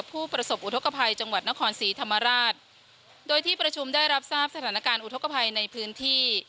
ผู้ประสบอุทธกภัยจังหวัดนครศรีธรรมราชโดยที่ประชุมได้รับทราบสถานการณ์อุทธกภัยในพื้นที่